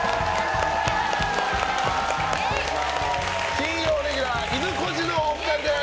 金曜レギュラーいぬこじのお二人です。